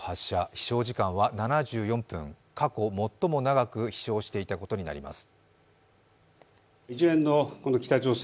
飛しょう時間は７４分、過去もっとも長く飛しょうしていたことになります。